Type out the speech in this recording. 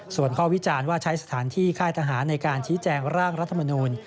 ส่วนข้อวิจารณ์ว่าใช้สถานที่ค่ายทหารในการชี้แจงร่างรัฐมนูล